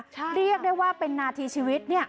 เรียกได้ว่าเป็นนาทีชีวิตเนี่ย